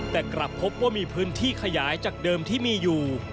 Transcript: แต่กลับพบว่ามีพื้นที่ขยายจากเดิมที่มีอยู่